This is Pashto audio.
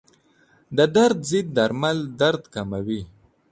د درد ضد درمل درد کموي.